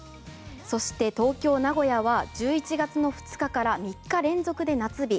そして東京、名古屋は１１月２日から３日連続で夏日。